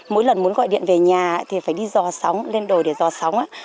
mỗi lần muốn gọi điện về nhà thì phải đi dò sóng lên đồi để dò sóng